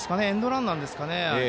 エンドランなんですかね。